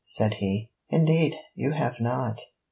said he. 'Indeed you have not.'